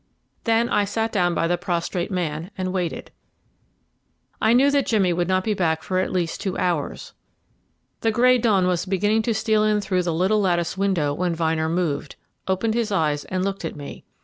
Then I sat down by the prostrate man and waited. I knew that Jimmy could not be back for at least two hours. The grey dawn was beginning to steal in through the little latticed window when Vyner moved, opened his eyes and looked at me.